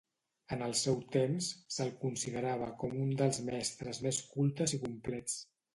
En el seu temps se'l considerava com un dels mestres més cultes i complets.